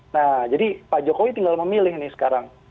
nah jadi pak jokowi tinggal memilih nih sekarang